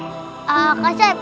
eee kak syaib